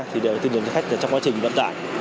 thì đều tuyên truyền cho khách trong quá trình vận tải